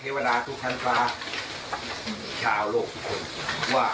จากแล้วกว่า